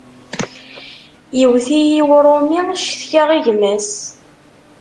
Yewwet-iyi urumi, ccektaɣ i gma-s.